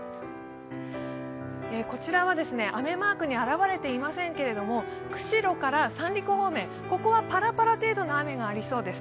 こちらは雨マークに現れていませんけれども、釧路から三陸方面はパラパラ程度の雨がありそうです。